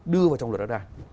đưa vào trong luật đất đai